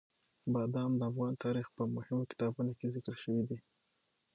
بادام د افغان تاریخ په مهمو کتابونو کې ذکر شوي دي.